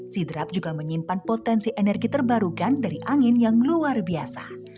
sidrap juga menyimpan potensi energi terbarukan dari angin yang luar biasa